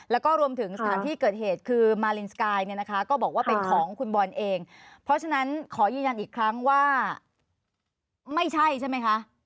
แล้วก็รวมถึงสถานที่เกิดเหตุคือมารินสกายเนี่ยนะคะก็บอกว่าเป็นของคุณบอลเองเพราะฉะนั้นขอยืนยันอีกครั้งว่าไม่ใช่ใช่ไหมคะ